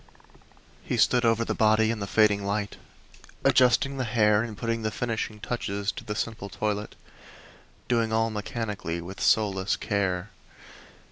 He stood over the body in the fading light, adjusting the hair and putting the finishing touches to the simple toilet, doing all mechanically, with soulless care.